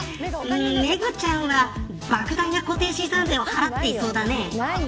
めぐちゃんは、莫大な固定資産税を払ってそうだね。